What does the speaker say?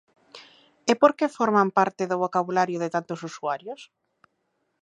E por que forman parte do vocabulario de tantos usuarios?